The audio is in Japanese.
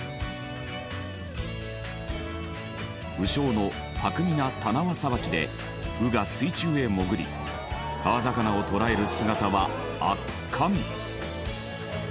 鵜匠の巧みな手縄さばきで鵜が水中へ潜り川魚を捕らえる姿は圧巻。